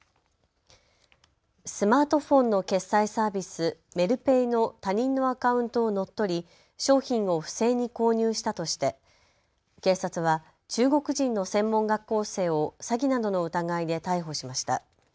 スマートフォンの決済サービス、メルペイの他人のアカウントを乗っ取り商品を不正に購入したとして警察は中国人の専門学校生を詐欺などの疑いで逮捕しました。